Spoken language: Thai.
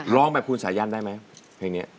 ร้องแบบคุณสายันได้ไหมเพลงนี้